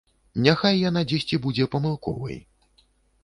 Няхай яна дзесьці будзе памылковай.